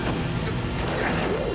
aku mau dia makanya